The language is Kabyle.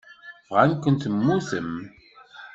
Bɣan-ken temmutem.